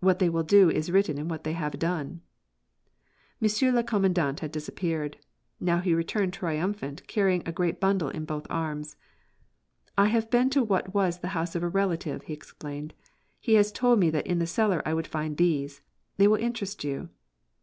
What they will do is written in what they have done." Monsieur le Commandant had disappeared. Now he returned triumphant, carrying a great bundle in both arms. "I have been to what was the house of a relative," he explained. "He has told me that in the cellar I would find these. They will interest you."